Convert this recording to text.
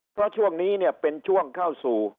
เพราะช่วงนี้เนี่ยเป็นช่วงเข้าสู่